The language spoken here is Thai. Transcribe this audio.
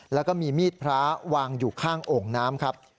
แล้วก็มีมีดพระวางอยู่ข้างโอ่งน้ำครับ